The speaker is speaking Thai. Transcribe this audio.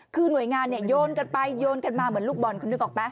คือหน่วยงานเนี่ยโยนกันไปโยนกันมาเหมือนลูกบอลคุณนึกออกไหม